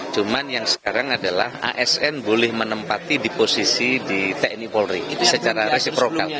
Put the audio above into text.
cuma yang sekarang adalah asn boleh menempati di posisi di tni polri secara resiprokal